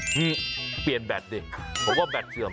สายทานเพิ่ม